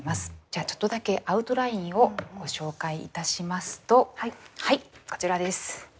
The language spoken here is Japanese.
じゃあちょっとだけアウトラインをご紹介いたしますとはいこちらです。